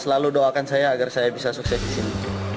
selalu doakan saya agar saya bisa sukses di sini